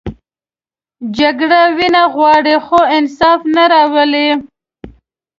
جګړه وینه غواړي، خو انصاف نه راولي